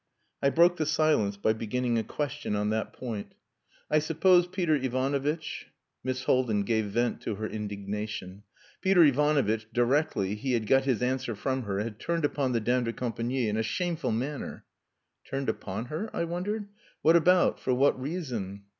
I broke the silence by beginning a question on that point "I suppose Peter Ivanovitch...." Miss Haldin gave vent to her indignation. Peter Ivanovitch directly he had got his answer from her had turned upon the dame de compagnie in a shameful manner. "Turned upon her?" I wondered. "What about? For what reason?"